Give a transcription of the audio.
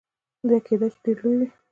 یا کیدای شي ډیر لوی وي.